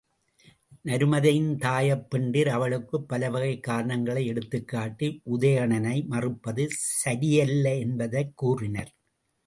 நருமதையின் தாயப்பெண்டிர் அவளுக்குப் பலவகைக் காரணங்களை எடுத்துக் காட்டி உதயணனை மறுப்பது சரியல்ல என்பதைக் கூறினர்.